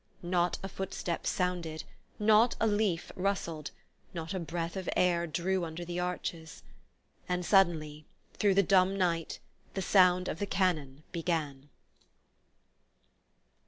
Not a footstep sounded, not a leaf rustled, not a breath of air drew under the arches. And suddenly, through the dumb night, the sound of the cannon began.